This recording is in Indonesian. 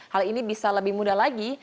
hal ini bisa lebih mudah lagi